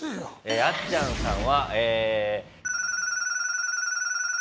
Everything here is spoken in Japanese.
あっちゃんさんはええ。